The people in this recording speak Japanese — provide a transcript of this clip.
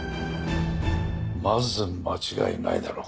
まず間違いないだろう。